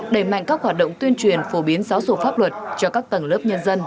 đẩy mạnh các hoạt động tuyên truyền phổ biến giáo dục pháp luật cho các tầng lớp nhân dân